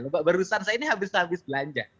bapak barusan saya ini habis habis belanja